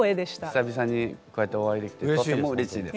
久々にこうやってお会いできてとってもうれしいです。